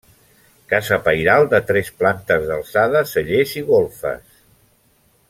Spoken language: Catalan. Casa pairal de tres plantes d'alçada, cellers i golfes.